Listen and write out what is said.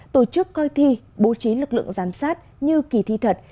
tổ chức coi thi bố trí lực lượng giám sát như kỳ thi thật